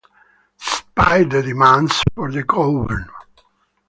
Despite the demands for the govt.